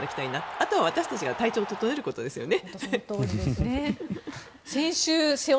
あとは私たちが体調を整えることですよね。